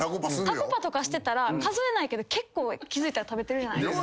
タコパとかしてたら数えないけど結構気付いたら食べてる。